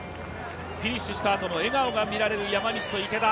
フィニッシュした後の笑顔が見られる山西と池田。